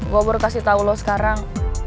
gue baru kasih tau lo sekarang